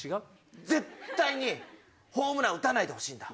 絶対にホームラン打たないでほしんだ。